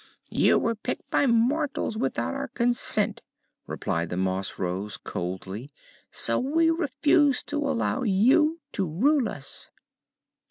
"You were picked by mortals, without our consent," replied the Moss Rose, coldly; "so we refuse to allow you to rule us."